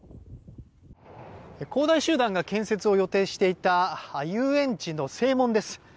恒大集団が建設を予定していた遊園地の正門です。